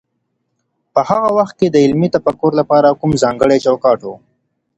په هغه وخت کي د علمي تفکر لپاره کوم ځانګړی چوکاټ و؟